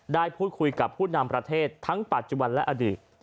ได้พูดคุยกับผู้นำประเทศทั้งปัจจุบันและอดีต